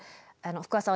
福和さん